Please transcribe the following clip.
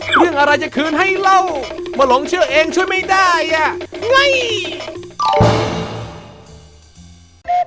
เวลาอะไรจะคืนให้เรามะหลองเชื่อเองช่วยไม่ได้อะ